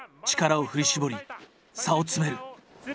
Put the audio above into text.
力を振り絞り差を詰める。